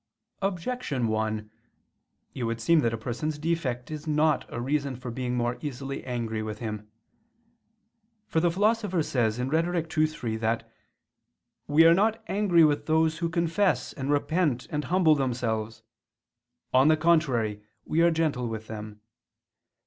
Objection 1: It would seem that a person's defect is not a reason for being more easily angry with him. For the Philosopher says (Rhet. ii, 3) that "we are not angry with those who confess and repent and humble themselves; on the contrary, we are gentle with them.